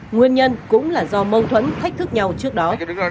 nguyên nhân cũng là do mâu thuẫn thách thức nhau trước đó